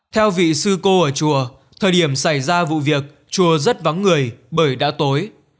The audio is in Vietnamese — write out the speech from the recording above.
theo vị sư cô ở chùa thời điểm xảy ra vụ việc chùa rất vắng người bởi đã tối